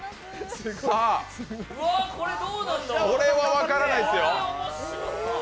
さあ、これは分からないですよ。